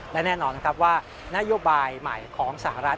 และแน่นอนนะครับว่านโยบายใหม่ของสหรัฐ